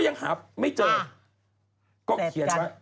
แผงก็ไม่รู้ไม่รู้